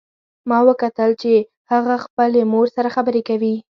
ما وکتل چې هغه خپلې مور سره خبرې کوي